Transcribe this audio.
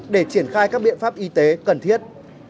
để triển khai các biện pháp y tế cần thiết